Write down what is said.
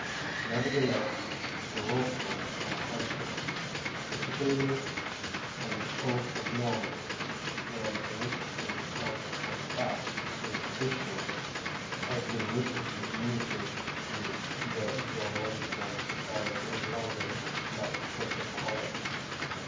Nevertheless, the Rorquals are hunted, particularly from the coasts of Norway ; and an interesting account of some facts in this fishery has been recently communicated to the Zoological Society of London by Professor Collett.